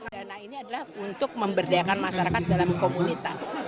dana ini adalah untuk memberdayakan masyarakat dalam komunitas